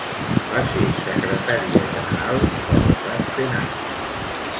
Va ser secretària general de Lo Rat Penat.